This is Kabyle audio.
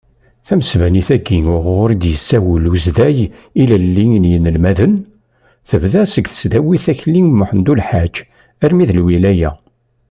Tamesbanit-agi uɣur i d-yessawel Umazday ilelli n yinelmaden, tebda seg tesdawit Akli Muḥend Ulḥaǧ armi d lwilaya.